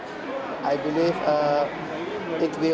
tôi tin rằng nó sẽ